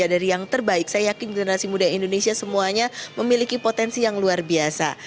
dari yang terbaik saya yakin generasi muda indonesia semuanya memiliki potensi yang luar biasa